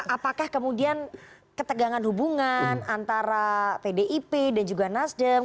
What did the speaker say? apakah kemudian ketegangan hubungan antara pimpinan partai politik dan pimpinan partai politik